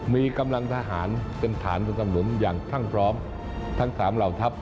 มีกำลังทหารเป็นฐานสนับสนุนอย่างช่างพร้อมทั้ง๓เหล่าทัพ